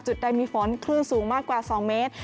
ใดมีฝนคลื่นสูงมากกว่า๒เมตร